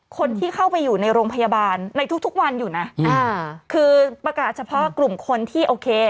คนที่เข้าไปอยู่ในโรงพยาบาลในทุกทุกวันอยู่นะอ่าคือประกาศเฉพาะกลุ่มคนที่โอเค